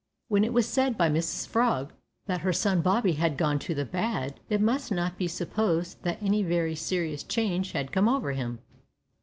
When it was said by Mrs Frog that her son Bobby had gone to the bad, it must not be supposed that any very serious change had come over him.